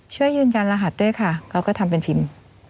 ช่วยยืนยันรหัสด้วยค่ะเขาก็ทำเป็นพิมพ์